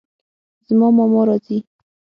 زما ماما راځي